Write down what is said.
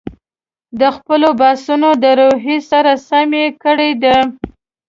د خپلو بحثونو د روحیې سره سم یې کړي دي.